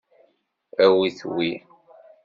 Awit wi.